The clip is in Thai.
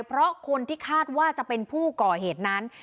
เพราะคนที่คาดว่าจะเป็นผู้ก่อเหตุนั้น